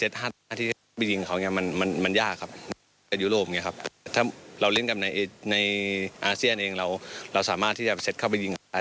ถ้าเรารินกับในอาเซียนเองเราสามารถที่จะเซ็ตเข้าไปจิงเขา